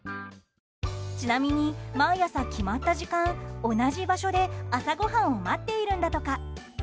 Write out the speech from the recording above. ちなみに、毎朝決まった時間同じ場所で朝ごはんを待っているんだとか。